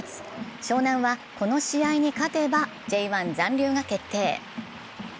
湘南は、この試合に勝てばＪ１残留が決定。